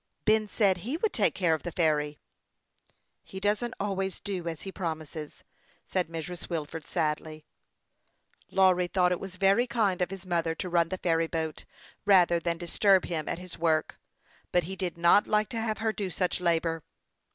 " Ben said he would take care of the ferry." " He doesn't always do as he promises," said Mrs. Wilford, sadly. Lawry thought it was very kind of his mother to run the ferry boat, rather than disturb him at his work ; but he did not like to have her do such labor.